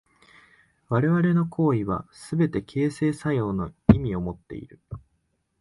我々の行為はすべて形成作用の意味をもっている。